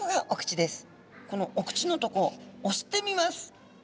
このお口のとこ押してみます。